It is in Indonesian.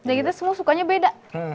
jadi kita semua sukanya beda